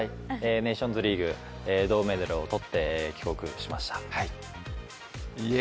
ネーションズリーグ銅メダルを取って帰国しました。